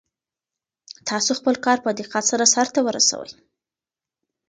تاسو خپل کار په دقت سره سرته ورسوئ.